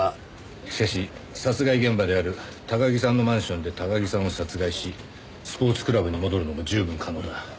しかし殺害現場である高木さんのマンションで高木さんを殺害しスポーツクラブに戻るのも十分可能だ。